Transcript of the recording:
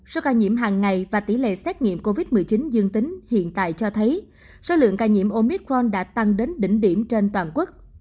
số ca nhiễm hàng ngày và tỷ lệ xét nghiệm covid một mươi chín dương tính hiện tại cho thấy số lượng ca nhiễm omicron đã tăng đến đỉnh điểm trên toàn quốc